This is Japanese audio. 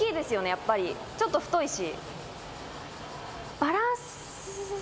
やっぱりちょっと太いし。